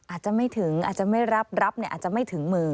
อาจจะไม่ถึงอาจจะไม่รับรับอาจจะไม่ถึงมือ